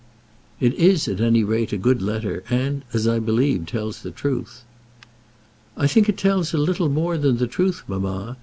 "It is, at any rate, a good letter, and, as I believe, tells the truth." "I think it tells a little more than the truth, mamma.